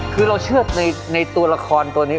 คือเราเชื่อในทัวร์ราคอนนี้